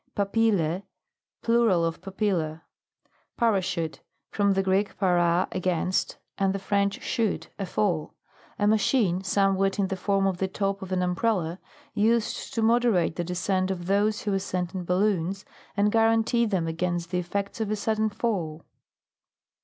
PAPILLA. Plural of Papilla. PARACHUTE. From the Greek, para, against, and the French, chute, a fall. A machine, somewhat in the form of the top of an umbrella, used to moderate the descent of those who ascend in balloons, and guarantee them against the effects of a sudden fall.